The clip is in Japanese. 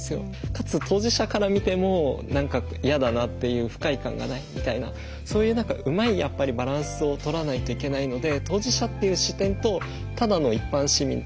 かつ当事者から見ても何か嫌だなっていう不快感がないみたいなそういう何かうまいやっぱりバランスをとらないといけないので。